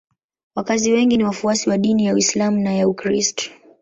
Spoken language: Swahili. Wakazi wengi ni wafuasi wa dini ya Uislamu na ya Ukristo.